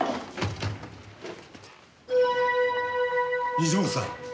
西本さん。